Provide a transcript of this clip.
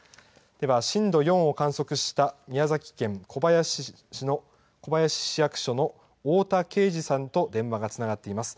では震度４を観測した、宮崎県小林市の小林市役所の太田けいじさんと電話がつながっています。